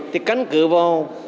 thì căn cứ vào